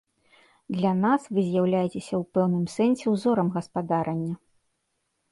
Для нас вы з'яўляецеся ў пэўным сэнсе ўзорам гаспадарання.